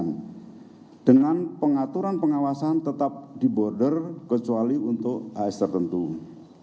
dua untuk komoditas elektronik obat tradisional dan suplemen kesehatan kosmetik dan perbekalan rumah tangga alas kaki pakaian jadi dan aksesoris pakaian jadi